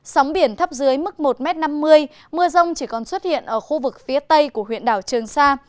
sóng biển thấp dưới mức một năm mươi mưa rông chỉ còn xuất hiện ở khu vực phía tây của huyện đảo trường sa